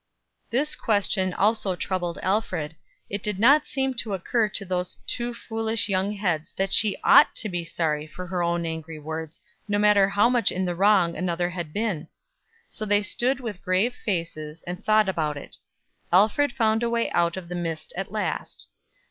This question also troubled Alfred. It did not seem to occur to these two foolish young heads that she ought to be sorry for her own angry words, no matter how much in the wrong another had been. So they stood with grave faces, and thought about it. Alfred found a way out of the mist at last.